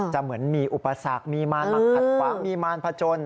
จะเหมือนมีอุปสรรคมีมารพัดปากมีมารพจน